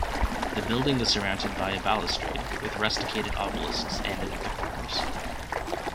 The building is surmounted by a balustrade, with rusticated obelisks standing at the corners.